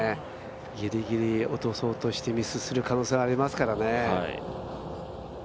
ぎりぎり落とそうとしてミスする可能性、ありますからね。